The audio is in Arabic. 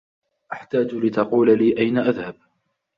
أحتاج لتقول لي أين أذهب.